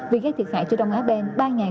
vì gây thiệt hại cho đông á ben